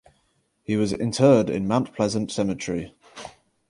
He was interred in Mount Pleasant Cemetery.